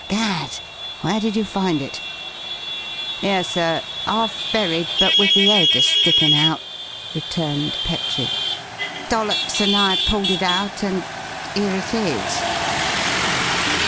"Gad!... Where did you find it?" "Here, sir; half buried, but with the 'ead a stickin' out!" returned Petrie. "Dollops and I pulled it out and and 'ere it is."